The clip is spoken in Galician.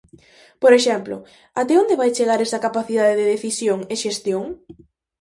Por exemplo: até onde vai chegar esa capacidade de decisión e xestión?